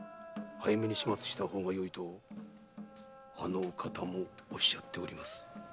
早めに始末した方がよいとあのお方もおっしゃっております。